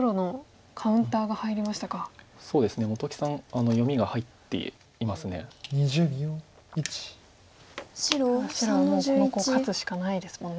ただ白はこのコウ勝つしかないですもんね。